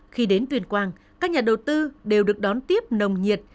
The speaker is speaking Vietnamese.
khi đến tuyên quang các nhà đầu tư đều được đón tiếp nồng nhiệt